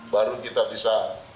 baru kita bisa